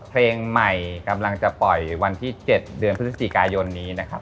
เพลงใหม่กำลังจะปล่อยวันที่๗เดือนพฤศจิกายนนี้นะครับ